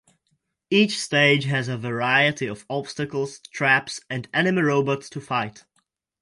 Each stage has a variety of obstacles, traps, and enemy robots to fight.